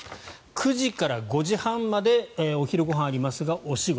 ９時から５時半までお昼ご飯ありますがお仕事。